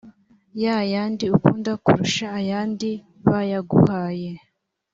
ya yandi ukunda kurusha ayandi bayaguhe